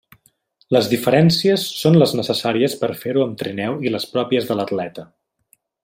Les diferències són les necessàries per a fer-ho amb trineu i les pròpies de l'atleta.